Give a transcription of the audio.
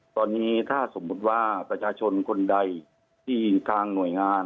ตอนนี้ถ้าสมมุติว่าประชาชนคนใดที่ยิงทางหน่วยงาน